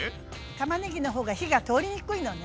たまねぎの方が火が通りにくいのね。